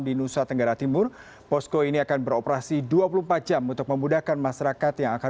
di nusa tenggara timur posko ini akan beroperasi dua puluh empat jam untuk memudahkan masyarakat yang akan